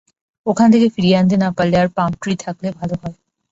ওখান থেকে ফিরিয়ে আনতে না পারলে আর পাম ট্রি থাকলে ভালো হয়।